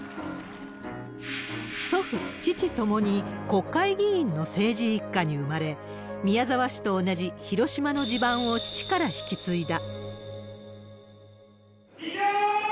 祖父、父ともに国会議員の政治一家に生まれ、宮沢氏と同じ広島の地盤を父から引き継いだ。